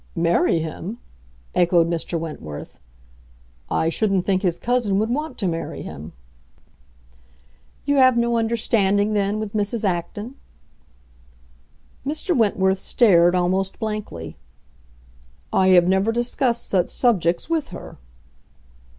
"Marry him?" echoed Mr. Wentworth. "I shouldn't think his cousin would want to marry him." "You have no understanding, then, with Mrs. Acton?" Mr. Wentworth stared, almost blankly. "I have never discussed such subjects with her."